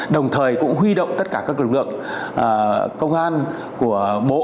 đồng thời cũng huy động tất cả các lực lượng công an của bộ